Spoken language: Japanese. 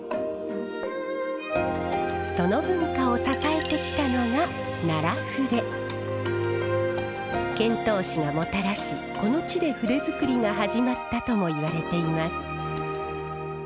その文化を支えてきたのが遣唐使がもたらしこの地で筆作りが始まったともいわれています。